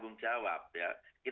kita harus disiplin